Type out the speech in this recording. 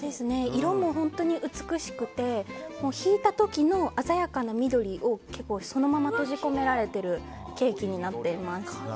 色も美しくてひいた時の鮮やかな緑をそのまま閉じ込められてるケーキになっています。